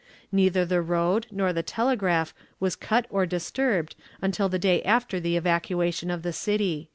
Neither the road nor the telegraph was cut or disturbed until the day after the evacuation of the city."